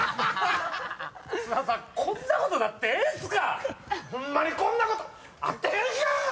津田さんこんなことなってええんすか⁉ホンマにこんなことあってええんか！